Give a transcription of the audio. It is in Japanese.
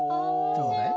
どうだい？